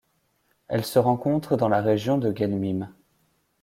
Elle se rencontre dans la région de Guelmim.